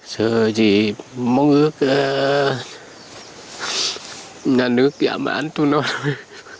giờ thì mong ước nhà nước giả mãn tôi nói